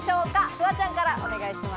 フワちゃんからお願いします。